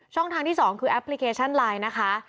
ทางที่๒คือแอปพลิเคชันไลน์นะคะ